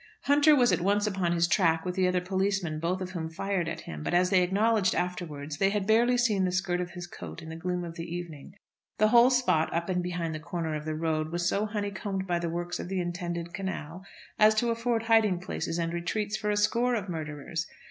Hunter was at once upon his track, with the other policeman, both of whom fired at him. But as they acknowledged afterwards, they had barely seen the skirt of his coat in the gloom of the evening. The whole spot up and behind the corner of the road was so honeycombed by the works of the intended canal as to afford hiding places and retreats for a score of murderers.